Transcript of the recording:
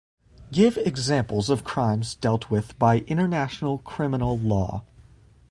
Give examples of crimes dealt with by international criminal law.